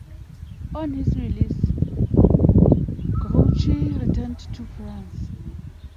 On his release Grouchy returned to France.